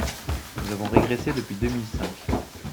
Nous avons régressé depuis deux mille cinq.